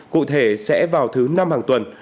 cụ thể sẽ vào thứ năm hàng tuần